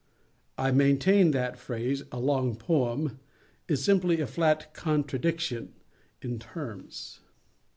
I maintain that the phrase, "a long poem," is simply a flat contradiction in terms.